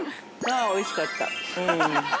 ◆あ、おいしかった。